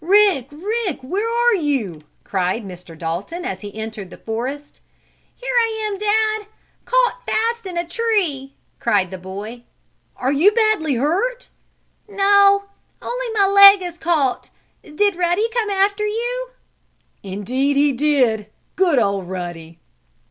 "Rick! Rick! Where are you?" cried Mr. Dalton, as he entered the forest. "Here I am, Dad! Caught fast in a tree!" cried the boy. "Are you badly hurt?" "No, only my leg is caught. Did Ruddy come after you?" "Indeed he did! Good old Ruddy!"